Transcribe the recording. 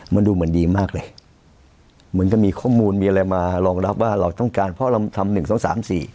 มันดูเหมือนดีมากเลยเหมือนกับมีข้อมูลมีอะไรมารองรับว่าเราต้องการเพราะเราทำหนึ่งสองสามสี่